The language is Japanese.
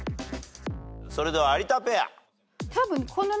それでは有田ペア。